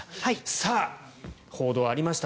さあ、報道ありました。